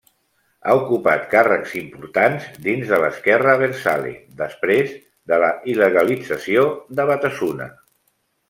Ha ocupat càrrecs importants dins de l'esquerra abertzale després de la il·legalització de Batasuna.